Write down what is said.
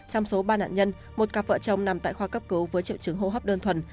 trong số ba nạn nhân một cặp vợ chồng nằm tại khoa cấp cứu với triệu chứng hô hấp đơn thuần